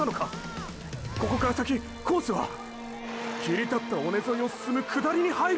ここから先コースは切り立った尾根沿いを進む下りに入る！！